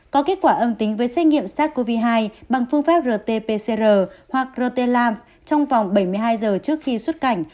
có kết quả âm tính với xét nghiệm sars cov hai bằng phương pháp rt pcr hoặc grotelam trong vòng bảy mươi hai giờ trước khi xuất cảnh